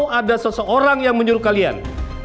kalau ada seseorang yang menyuruh kalian